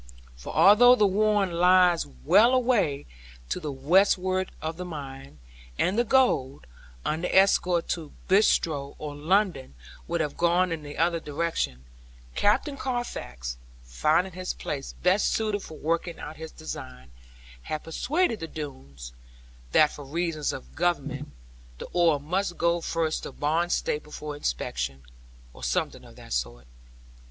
For although The Warren lies well away to the westward of the mine; and the gold, under escort to Bristowe, or London, would have gone in the other direction; Captain Carfax, finding this place best suited for working of his design, had persuaded the Doones, that for reasons of Government, the ore must go first to Barnstaple for inspection, or something of that sort.